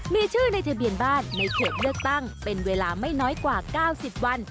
มีชื่อในทะเบียนบ้านในเขตเลือกตั้งเป็นเวลาไม่น้อยกว่า๙๐วัน